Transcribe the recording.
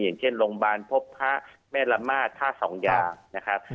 อย่างเช่นโรงพยาบาลพบพระแม่ละมาดท่าสองอย่างนะครับ